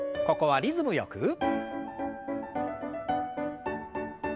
ここはリズムよく。